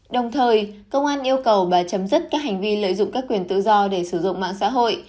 đồng thời công an yêu cầu bà chấm dứt các hành vi lợi dụng các quyền tự do để sử dụng mạng xã hội